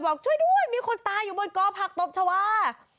บอกช่วยด้วยมีคนตายอยู่บนกอผักตบชาวา